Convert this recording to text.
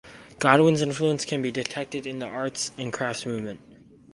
Godwin's influence can be detected in the Arts and Crafts Movement.